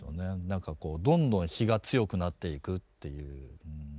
何かこうどんどん火が強くなっていくっていううん。